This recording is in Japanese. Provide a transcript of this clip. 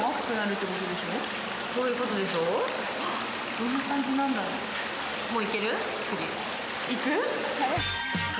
どんな感じなんだろう。